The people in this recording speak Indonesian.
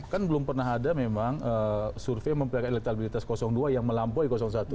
kan belum pernah ada memang survei memperlihatkan elektabilitas dua yang melampaui satu